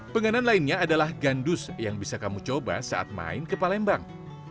penganan lainnya adalah gandus yang bisa kamu coba saat main ke palembang